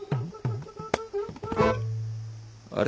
あれ？